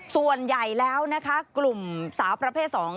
ส่วนใหญ่แล้วนะคะกลุ่มสาวประเภทสอง